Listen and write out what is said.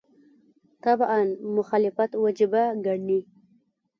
تعبداً مخالفت وجیبه ګڼي.